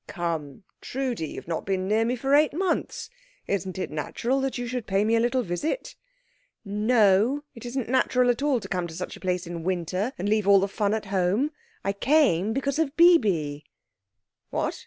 "Come, Trudi, you've not been near me for eight months. Isn't it natural that you should pay me a little visit?" "No, it isn't natural at all to come to such a place in winter, and leave all the fun at home. I came because of Bibi." "What!